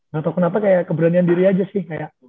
gak tau kenapa kayak keberanian diri aja sih